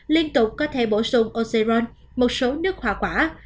liên tục có thể bổ sung oxyron một số nước hỏa quả